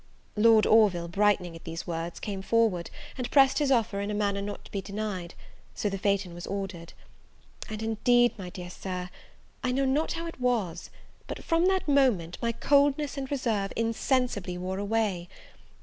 Lord Orville, brightening at these words, came forward, and pressed his offer in a manner not to be denied; so the phaeton was ordered! And indeed, my dear Sir, I know not how it was; but, from that moment, my coldness and reserve insensibly wore away!